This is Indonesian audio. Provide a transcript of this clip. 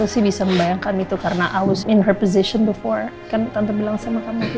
aku sih bisa membayangkan itu karena aku sudah berada di posisi dia sebelumnya kan tante bilang sama kamu gitu